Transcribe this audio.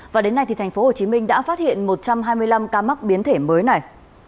và đến nay tp hcm đã phát hiện một trăm hai mươi năm ca mắc biến thể mới này